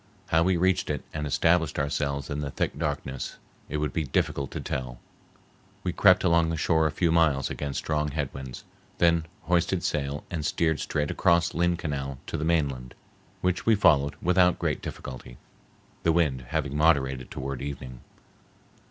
How we reached it and established ourselves in the thick darkness it would be difficult to tell. We crept along the shore a few miles against strong head winds, then hoisted sail and steered straight across Lynn Canal to the mainland, which we followed without great difficulty, the wind having moderated toward evening.